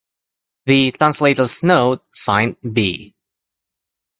The "translator's note" signed "B.